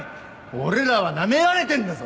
俺らはナメられてんだぞ。